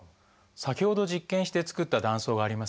先ほど実験して作った断層がありますね。